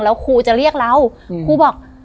แล้วครูจะเรียกเราครูบอก